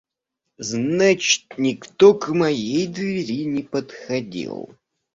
Значит, никто к моей двери не подходил.